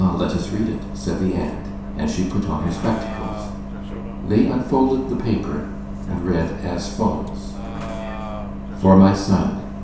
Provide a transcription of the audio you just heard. let us read it!" said the aunt. And she put on her spectacles. They unfolded the paper and read as follows:— "For my son.